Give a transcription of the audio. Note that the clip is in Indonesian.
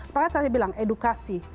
pada saat kita bilang edukasi